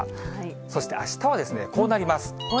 そしてあしたはこうなります。